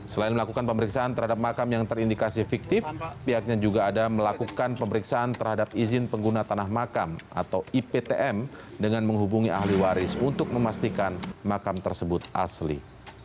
selain melakukan pemeriksaan terhadap makam yang terindikasi fiktif pihaknya juga ada melakukan pemeriksaan terhadap izin pengguna tanah makam atau iptm dengan menghubungi ahli waris untuk memastikan makam tersebut asli